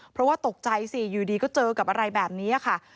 เพราะว่าตกใจสิอยู่ดีก็เจอกับอะไรแบบนี้ค่ะ